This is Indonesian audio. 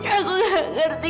aku tidak mengerti